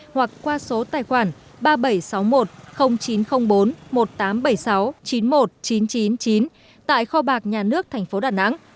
hoặc qua số tài khoản ba nghìn bảy trăm sáu mươi một chín trăm linh bốn một nghìn tám trăm bảy mươi sáu chín mươi một nghìn chín trăm chín mươi chín tại kho bạc nhà nước tp đà nẵng